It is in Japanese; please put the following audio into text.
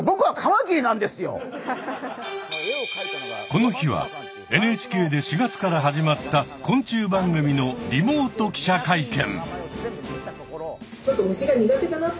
この日はＮＨＫで４月から始まった昆虫番組のリモート記者会見。